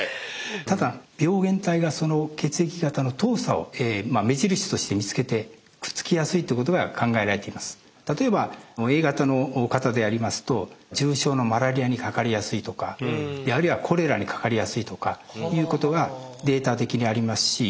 ただ病原体がその血液型の糖鎖を目印として見つけて例えばＡ型の方でありますと重症のマラリアにかかりやすいとかあるいはコレラにかかりやすいとかいうことがデータ的にありますし。